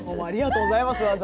ありがとうございます。